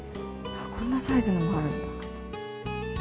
こんなサイズのもあるんだ。